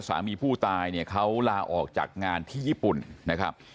สามีผู้ตายเนี่ยเขาลาออกจากงานที่ญี่ปุ่นนะครับ